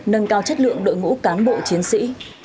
nâng cao chất lượng đội ngũ cán bộ chiến sĩ